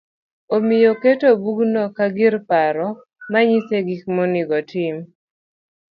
Omiyo oketo bugno ka gir paro ma nyise gik ma onego otim